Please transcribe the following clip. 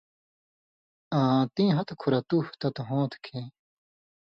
آں تیں ہتہۡ کۡھرہ تُوہہۡ تت ہوں تھہ کھیں